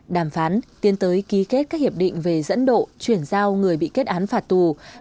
đàm phán tiến tới ký kết các hiệp định về dẫn độ chuyển giao người bị kết án phạt tù